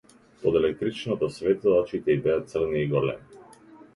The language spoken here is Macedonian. Под електричното светло очите и беа црни и големи.